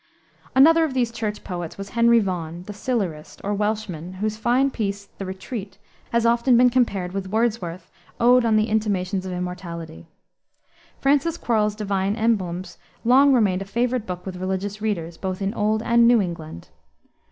Another of these Church poets was Henry Vaughan, "the Silurist," or Welshman, whose fine piece, the Retreat, has been often compared with Wordsworth's Ode on the Intimations of Immortality. Francis Quarles' Divine Emblems long remained a favorite book with religious readers, both in Old and New England.